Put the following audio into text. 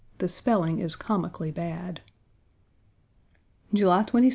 The spelling is comically bad. July 27th.